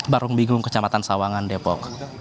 barung bingung kecamatan sawangan depok